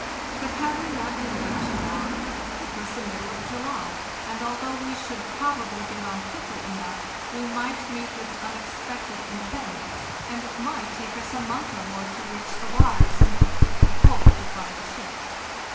But had we not delayed 568 FARTHEST NORTH too long? It was the middle of July, and although we should probably get on quickly enough, we might meet with unexpected impediments, and it might take us a month or more to reach the waters in which we could hope to finda ship.